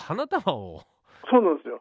そうなんですよ。